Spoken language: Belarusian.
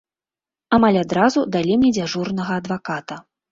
Амаль адразу далі мне дзяжурнага адваката.